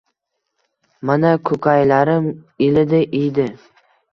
Mana, ko‘kaylarim ilidi, iydi